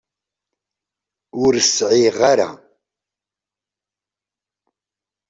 Ur sɛiɣ ara.